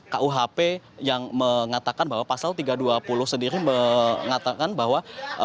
kuhp yang mengatakan bahwa pasal tiga ratus dua puluh sendiri mengatakan bahwa